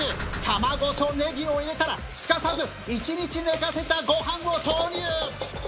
卵とネギを入れたらすかさず１日寝かせたご飯を投入！